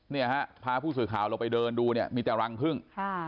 เนี่ยฮะพาผู้สื่อข่าวเราไปเดินดูเนี่ยมีแต่รังพึ่ง